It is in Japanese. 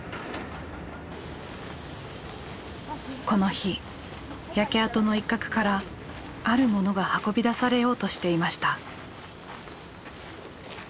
この日焼け跡の一角からあるものが運び出されようとしていました。